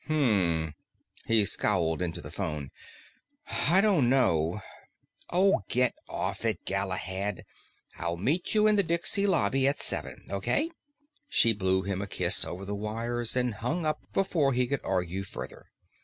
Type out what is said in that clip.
"Hmmm " He scowled into the phone. "I dunno " "Oh, get off it, Galahad. I'll meet you in the Dixie lobby at seven. Okay?" She blew him a kiss over the wires, and hung up before he could argue further.